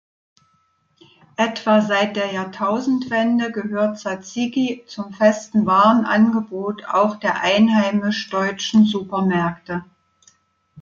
Etwa seit der Jahrtausendwende gehört Tsatsiki zum festen Warenangebot auch der einheimisch-deutschen Supermärkte.